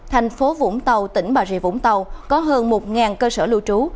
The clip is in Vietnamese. thành phố vũng tàu tỉnh bà rịa vũng tàu có hơn một cơ sở lưu trú